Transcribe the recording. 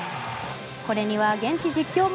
これには現地実況も。